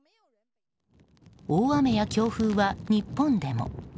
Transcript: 大雨や強風は、日本でも。